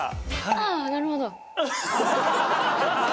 「ああなるほど」。